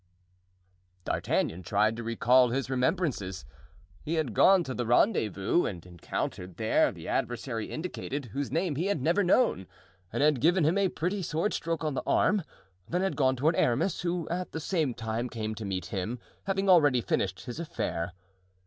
D'Artagnan tried to recall his remembrances. He had gone to the rendezvous, had encountered there the adversary indicated, whose name he had never known, had given him a pretty sword stroke on the arm, then had gone toward Aramis, who at the same time came to meet him, having already finished his affair.